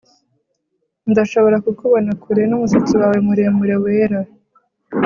Ndashobora kukubona kure numusatsi wawe muremure wera